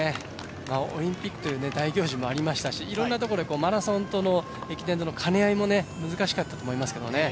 オリンピックという大行事もありましたしいろんなところでマラソンと駅伝の兼ね合いも難しかったと思いますけどね。